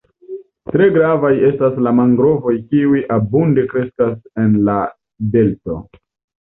Tre gravaj estas la mangrovoj kiuj abunde kreskas en la delto.